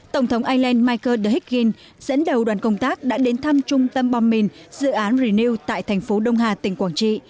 tổng thống ireland michael deikin dẫn đầu đoàn công tác đã đến thăm trung tâm bom mìn dự án reu tại thành phố đông hà tỉnh quảng trị